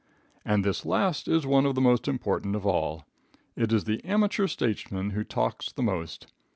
And this last is one of the most important of all. It is the amateur statesman who talks the most.